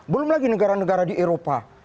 belum lagi negara negara di eropa